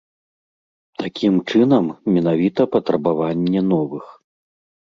Такім чынам, менавіта патрабаванне новых.